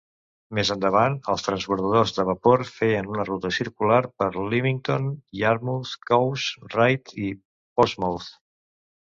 Més endavant, els transbordadors de vapor feien una ruta circular per Lymington, Yarmouth, Cowes, Ryde y Portsmouth.